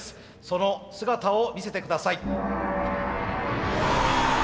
その姿を見せて下さい。